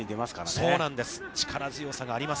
そうなんです。